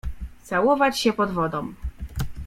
Całować się pod wodą.